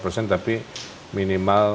namun sekarang ini adalah